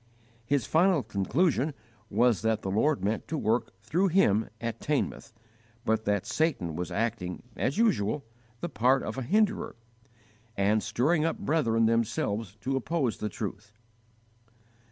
His final conclusion was that the Lord meant to work through him at Teignmouth, but that Satan was acting, as usual, the part of a hinderer, and stirring up brethren themselves to oppose the truth.